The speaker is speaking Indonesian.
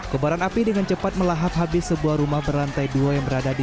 kebaran api dengan cepat melahap habis sebuah rumah berantai dua yang berada di